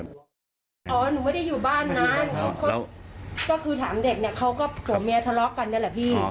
อ๋อหนูไม่ได้อยู่บ้านนะก็คือถามเด็กเนี่ยเขาก็ผัวเมียทะเลาะกันนี่แหละพี่